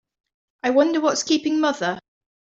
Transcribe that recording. I wonder what's keeping mother?